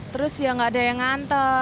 terus ya nggak ada yang nganter